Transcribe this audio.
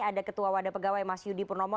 ada ketua wadah pegawai mas yudi purnomo